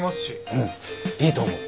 うんいいと思う。